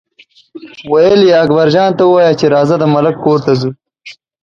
ویل یې اکبرجان ته ووایه چې راځه د ملک کور ته ځو.